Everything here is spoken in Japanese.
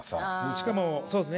しかもそうですね。